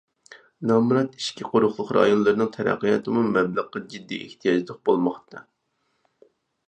نامرات ئىچكى قۇرۇقلۇق رايونلىرىنىڭ تەرەققىياتىمۇ مەبلەغقە جىددىي ئېھتىياجلىق بولماقتا.